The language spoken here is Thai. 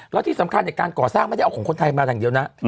แล้วที่สำคัญในการก่อสร้างไม่ได้เอาของคนไทยมาอย่างเดียวนะ